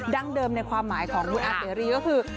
เดิมในความหมายของคุณอาเสรีก็คือ